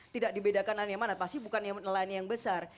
tidak dibedakan nanya mana pasti bukan nelayan yang besar